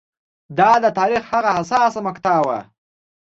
دا د تاریخ هغه حساسه مقطعه وه